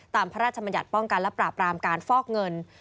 พระราชมัญญัติป้องกันและปราบรามการฟอกเงิน